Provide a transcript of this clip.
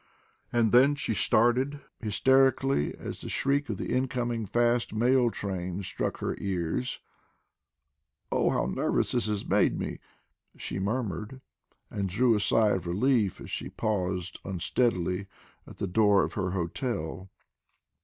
And then she started hysterically as the shriek of the incoming fast mail train struck her ears. "Oh, how nervous this has made me," she murmured, and drew a sigh of relief as she paused unsteadily at the door of her hotel.